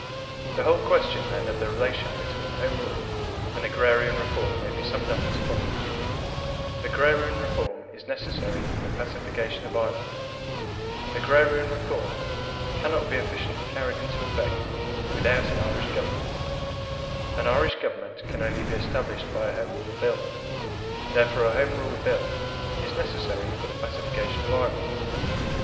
The whole question, then, of the relation between Home Rule and agrarian reform may be summed up as follows: Agrarian reform is necessary for the pacification of Ireland; agrarian reform cannot be efficiently carried into effect without an Irish Government; an Irish Government can only be established by a Home Rule Bill: therefore a Home Rule Bill is necessary for the pacification of Ireland.